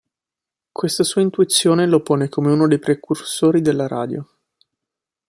Questa sua intuizione lo pone come uno dei precursori della radio.